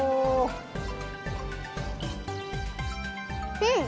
うん。